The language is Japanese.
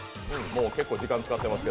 もう結構時間使ってます。